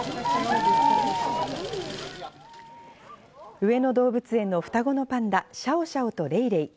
上野動物園の双子のパンダ、シャオシャオとレイレイ。